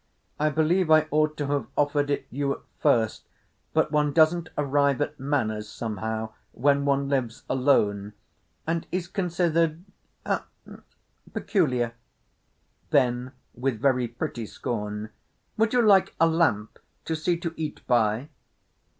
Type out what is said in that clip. "I believe I ought to have offered it you at first, but one doesn't arrive at manners somehow when one lives alone and is considered—h'm—peculiar." Then with very pretty scorn, "would you like a lamp to see to eat by?"